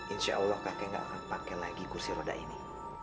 insya allah kakek gak akan pakai lagi kursi roda ini